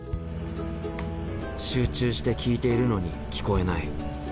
集中して聞いているのに聞こえない。